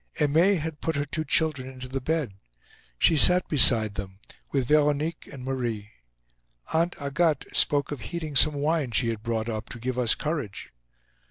Aimee had put her two children into the bed. She sat beside them, with Veronique and Marie. Aunt Agathe spoke of heating some wine she had brought up, to give us courage.